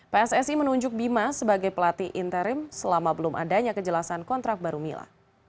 pssi menunjuk bima sebagai pelatih interim selama belum adanya kejelasan kontrak baru mila